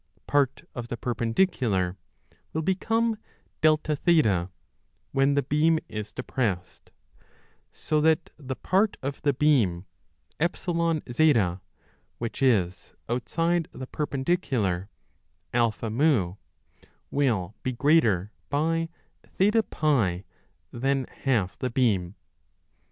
CHAPTER 2 the perpendicular, will become A0 when the beam is depressed ; so that the part of the beam EZ which is outside the perpendicular AM will be greater by 0FI than half the beam.